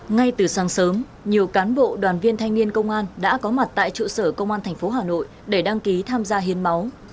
ngay từ sáng sớm nhiều cán bộ đoàn viên thanh niên công an đã có mặt tại trụ sở công an thành phố hà nội để đăng ký tham gia hiến máu